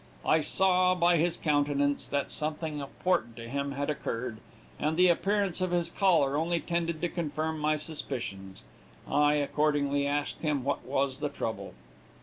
"I saw, by his countenance, that something important to him had occurred, and the appearance of his collar only tended to confirm my suspicions. I accordingly asked him what was the trouble.